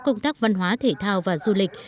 công tác văn hóa thể thao và du lịch